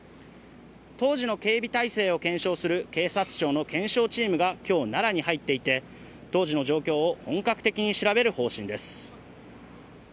当時の警備体制を検証する警察庁の検証チームが今日、奈良に入っていて当時の状況を本格的に調べる方針です。